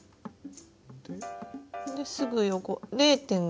ですぐ横０．５。